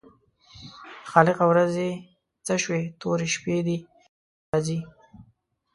خالقه ورځې څه شوې تورې شپې دي چې راځي.